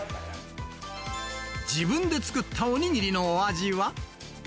自分で作ったお握りのお味は？